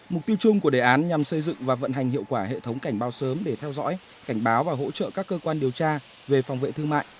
mục tiêu chung của đề án nhằm xây dựng và vận hành hiệu quả hệ thống cảnh báo sớm để theo dõi cảnh báo và hỗ trợ các cơ quan điều tra về phòng vệ thương mại